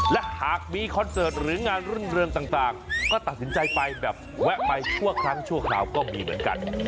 และหากมีคอนเสิร์ตหรืองานรุ่งเรืองต่างก็ตัดสินใจไปแบบแวะไปชั่วครั้งชั่วคราวก็มีเหมือนกัน